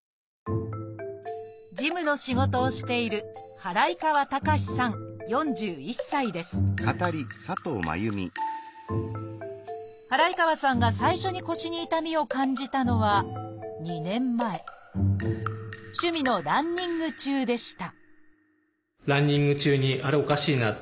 事務の仕事をしている祓川さんが最初に腰に痛みを感じたのは趣味のランニング中でした